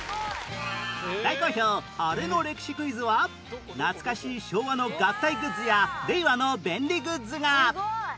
大好評アレの歴史クイズは懐かしい昭和の合体グッズや令和の便利グッズが